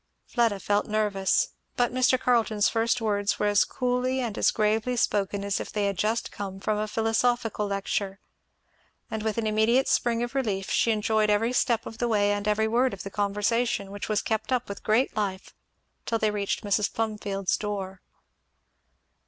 Fleda felt nervous. But Mr. Carleton's first words were as coolly and as gravely spoken as if they had just come out from a philosophical lecture; and with an immediate spring of relief she enjoyed every step of the way and every word of the conversation which was kept up with great life, till they reached Mrs. Plumfield's door.